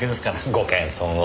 ご謙遜を。